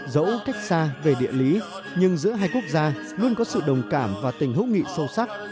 dẫu cách xa về địa lý nhưng giữa hai quốc gia luôn có sự đồng cảm và tình hữu nghị sâu sắc